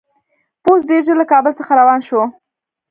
پوځ ډېر ژر له کابل څخه روان شو.